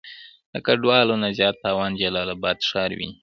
د ګډوالو نه زيات تاوان جلال آباد ښار وينئ.